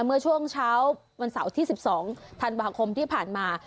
เมื่อช่วงเช้าวันเสาร์ที่๑๒ธันวาคมที่ผ่านมา